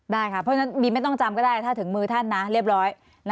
ได้ค่ะเพราะฉะนั้นมีไม่ต้องจำก็ได้ถ้าถึงมือท่านนะเรียบร้อย